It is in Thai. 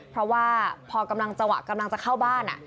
เพราะว่าพอกำลังจะเข้าบ้าน